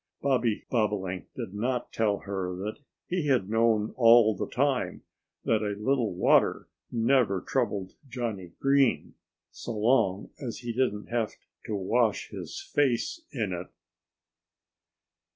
Bobby Bobolink did not tell her that he had known all the time that a little water never troubled Johnnie Green so long as he didn't have to wash his face in it.